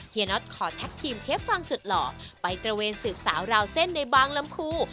น็อตขอแท็กทีมเชฟฟังสุดหล่อไปตระเวนสืบสาวราวเส้นในบางลำพู